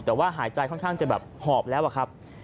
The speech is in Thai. แต่ว่าหายใจค่อนข้างจะแบบหอบแล้วอะครับ